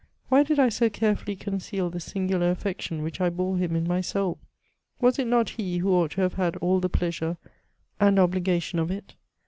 Why did I so carefully conceal the singular affection which I bore him in my soul ? Was it not he who ought to have had all the pleasure an obligation of it: J!